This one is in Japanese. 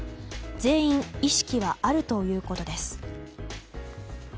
全員意識はあるということです。